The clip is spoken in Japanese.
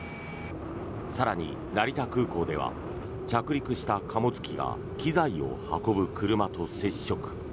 更に、成田空港では着陸した貨物機が機材を運ぶ車と接触。